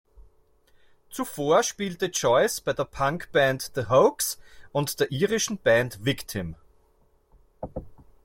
Zuvor spielte Joyce bei der Punkband "The Hoax" und der irischen Band "Victim".